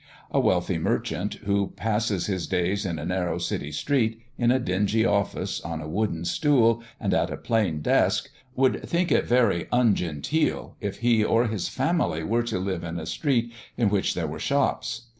A wealthy merchant who passes his days in a narrow city street, in a dingy office, on a wooden stool, and at a plain desk, would think it very "ungenteel" if he or his family were to live in a street in which there are shops.